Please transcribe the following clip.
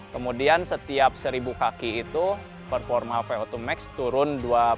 kemudian setiap seribu kaki itu performa vo dua max turun dua puluh